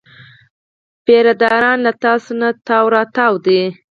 پیره داران یې له تاسونه تاو راتاو دي.